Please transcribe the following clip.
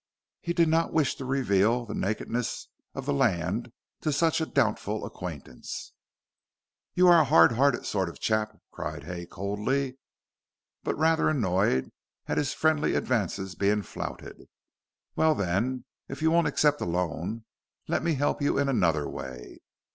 He did not wish to reveal the nakedness of the land to such a doubtful acquaintance. "You are a hard hearted sort of chap," said Hay coldly, but rather annoyed at his friendly advances being flouted. "Well, then, if you won't accept a loan, let me help you in another way.